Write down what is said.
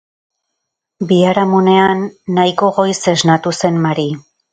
Biharamunean nahiko goiz esnatu zen Mari.